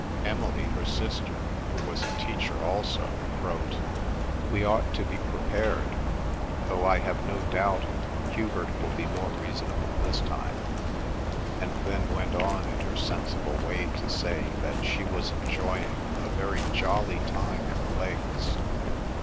Emily, her sister, who was a teacher also, wrote: "We ought to be prepared, though I have no doubt Hubert will be more reasonable this time." And then went on in her sensible way to say that she was enjoying a very jolly time in the Lakes.